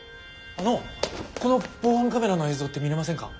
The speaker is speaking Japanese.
ああのこの防犯カメラの映像って見れませんか？